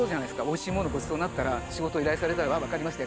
おいしいものをごちそうになったら仕事依頼されたら「ああ分かりました。